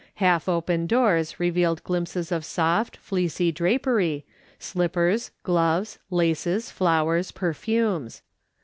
Half open doors revealed glimpses of soft, fleecy drapery, slippers, gloves, laces, flowers, perfumes.